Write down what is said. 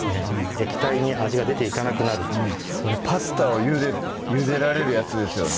液体に味が出ていかなくなるそれパスタをゆでられるやつですよね？